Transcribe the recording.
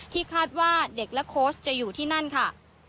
คาดว่าเด็กและโค้ชจะอยู่ที่นั่นค่ะ